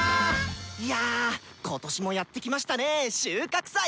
いや今年もやって来ましたね収穫祭！